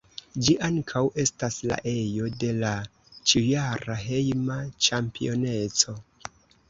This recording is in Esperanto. Ĝi ankaŭ estas la ejo de la ĉiujara hejma ĉampioneco.